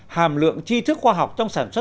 hàm lượng trí thức khoa học trong sản xuất